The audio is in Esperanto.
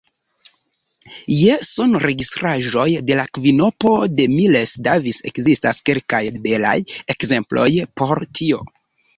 Je sonregistraĵoj de la kvinopo de Miles Davis ekzistas kelkaj belaj ekzemploj por tio.